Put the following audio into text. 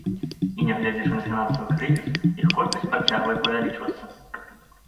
І, нягледзячы на фінансавы крызіс, іх колькасць працягвае павялічвацца.